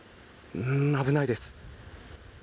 危ないです。